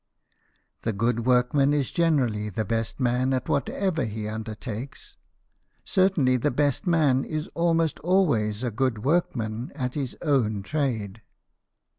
The good workman is generally the best man at whatever he under takes. Certainly the best man is almost always a good workman at his own trade.